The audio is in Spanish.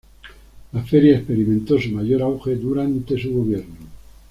La feria experimentó su mayor auge durante su gobierno.